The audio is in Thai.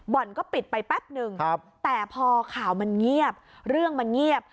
ก็ปิดไปแป๊บนึงแต่พอข่าวมันเงียบเรื่องมันเงียบ